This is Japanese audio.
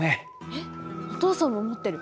えっお父さんも持ってる。